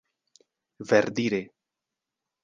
verdire